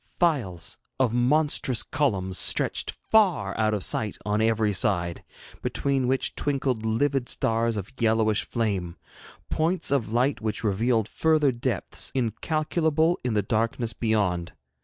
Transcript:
Files of monstrous columns stretched far out of sight on every side, between which twinkled livid stars of yellowish flame; points of light which revealed further depths incalculable in the darkness beyond.